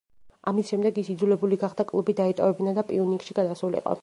ამის შემდეგ ის იძულებული გახდა კლუბი დაეტოვებინა და „პიუნიკში“ გადასულიყო.